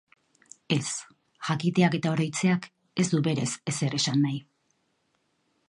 Ez, jakiteak eta oroitzeak ez du berez ezer esan nahi.